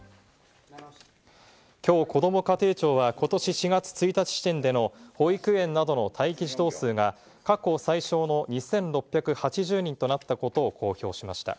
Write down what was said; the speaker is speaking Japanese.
今日、こども家庭庁はことし４月１日時点での保育園などの待機児童数が過去最少の２６８０人となったことを公表しました。